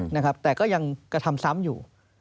นะครับแต่ก็ยังกระทำซ้ำอยู่